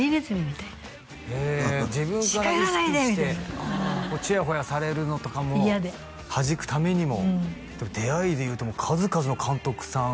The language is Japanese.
みたいなちやほやされるのとかも嫌ではじくためにもうん出会いでいうと数々の監督さん